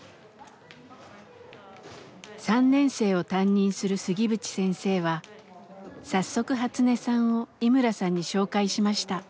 ３年生を担任する杉渕先生は早速ハツネさんを井村さんに紹介しました。